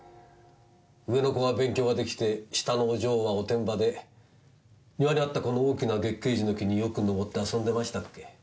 上の子は勉強ができて下のお嬢はおてんばで庭にあったこの大きな月桂樹の木によく登って遊んでましたっけ。